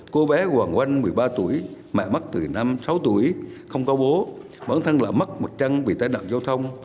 cô bé hoàng oanh một mươi ba tuổi mẹ mất từ năm sáu tuổi không có bố bản thân là mất một chân vì tai nạn giao thông